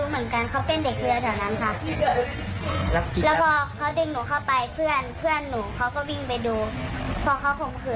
ไม่ค่ะ